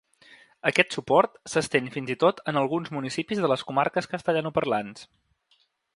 Aquest suport s’estén fins i tot en alguns municipis de les comarques castellanoparlants.